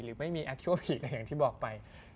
หรือไม่มีตัวตัวผีอะไรอย่างที่บอกไป